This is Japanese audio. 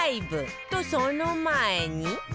とその前に